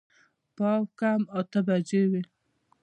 پاو کم اته بجې وې.